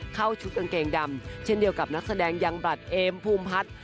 ชุดกางเกงดำเช่นเดียวกับนักแสดงยังบลัดเอมภูมิพัฒน์